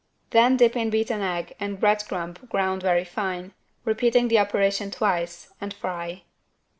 Then dip in beaten egg and bread crumb ground very fine, repeating the operation twice, and fry.